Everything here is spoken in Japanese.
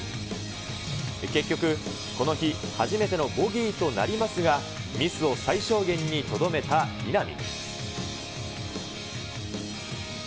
結局、この日初めてのボギーとなりますが、ミスを最小限にとどめた稲見。